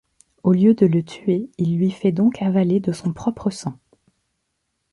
Au lieu de le tuer, il lui fait donc avaler de son propre sang.